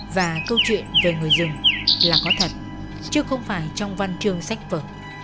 và câu chuyện về người dùng là có thật chứ không phải trong văn chương sách vở